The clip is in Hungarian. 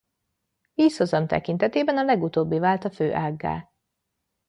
Vízhozam tekintetében a legutóbbi vált a fő ággá.